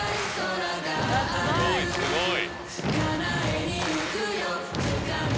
すごい！